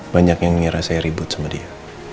banyak yang ngerasa ribet sama dia